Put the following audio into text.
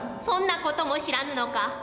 そんな事も知らぬのか。